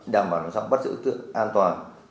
đảm bảo đối tượng bắt giữ tượng an toàn